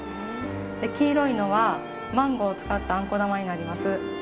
黄色いのはマンゴーを使ったあんこ玉になります。